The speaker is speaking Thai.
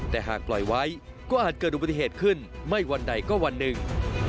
แต่หากปล่อยไว้ก็อาจเกิดอุบัติเหตุขึ้นไม่วันใดก็วันหนึ่ง